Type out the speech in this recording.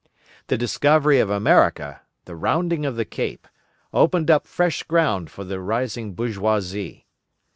The discovery of America, the rounding of the Cape, opened up fresh ground for the rising bourgeoisie.